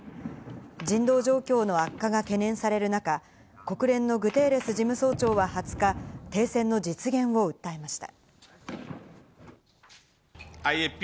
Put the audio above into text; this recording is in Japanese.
人道状況の悪化が懸念される中、国連のグテーレス事務総長は２０日、停戦の実現を訴えました。